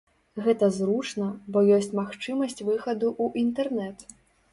Гэта зручна, бо ёсць магчымасць выхаду ў інтэрнэт.